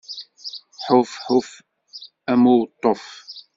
Ḥuf, ḥuf, am uweṭṭuf!